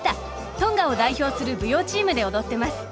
トンガを代表する舞踊チームで踊ってます。